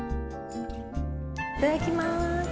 いただきます。